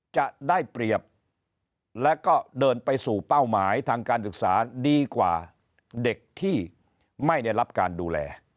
จะได้เปรียบและก็เดินไปสู่เป้าหมายทางการศึกษาดีกว่าเด็กที่ไม่ได้รับการดูแล